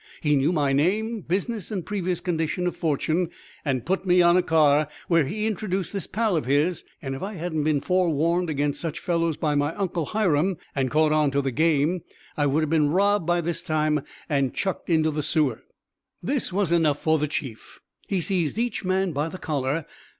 "He knew my name, business, and previous condition of fortune, and put me on a car where he introduced this pal of his, and if I hadn't been forwarned against such fellows by my Uncle Hiram, and caught on to the game, I would have been robbed by this time and chucked into the sewer." This was enough for the Chief. He seized each man by the collar.